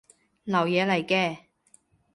流嘢嚟嘅